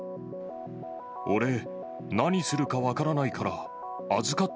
俺、何するか分からないから、